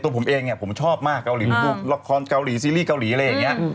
ตัวผมเองผมชอบมากเกาหลีบุกล็อกคอร์มเกาหลีซีรีส์เกาหลีอะไรอย่างนี้